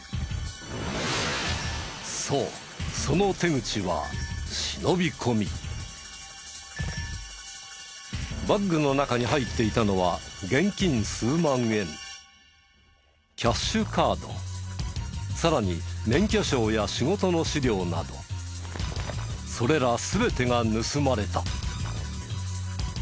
そうその手口はバッグの中に入っていたのは現金数万円キャッシュカードさらに免許証や仕事の資料などそれら全てが盗まれた。